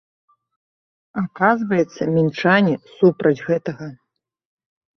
Аказваецца, мінчане супраць гэтага.